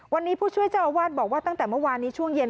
วันนี้ผู้ช่วยเจ้าอาวาสบอกว่าตั้งแต่เมื่อวานนี้ช่วงเย็น